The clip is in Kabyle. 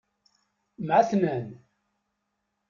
Mɛetnan.